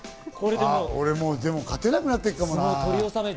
でも俺、勝てなくなってるかもな。